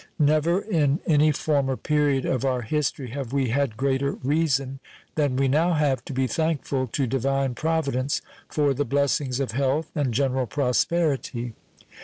Never in any former period of our history have we had greater reason than we now have to be thankful to Divine Providence for the blessings of health and general prosperity.